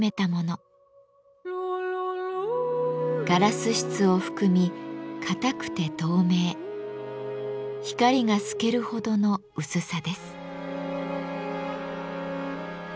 ガラス質を含み硬くて透明光が透けるほどの薄さです。